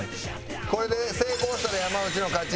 これで成功したら山内の勝ち。